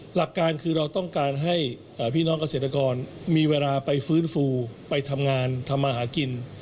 หลักการคือเราต้องการให้พี่น้องเกษตรกรมีเวลาไปฟื้นฟูไปทำงานทำอาหารกิน